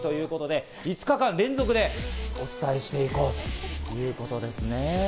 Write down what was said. ５日間連続でお伝えしていこうということです。